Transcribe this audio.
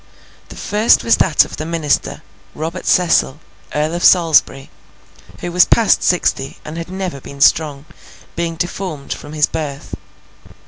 The first was that of the Minister, Robert Cecil, Earl of Salisbury, who was past sixty, and had never been strong, being deformed from his birth.